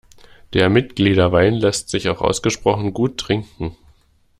Der Mitgliederwein lässt sich auch ausgesprochen gut trinken.